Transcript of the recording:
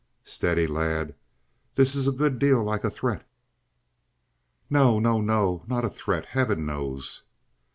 "Steady, lad. This is a good deal like a threat." "No, no, no! Not a threat, heaven knows!"